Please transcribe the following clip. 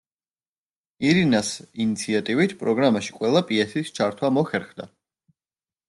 ირინას ინიციატივით, პროგრამაში ყველა პიესის ჩართვა მოხერხდა.